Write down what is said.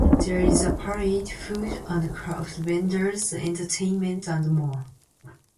There is a parade, food and craft vendors, entertainment and more.